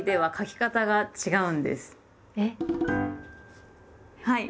えっ⁉はい。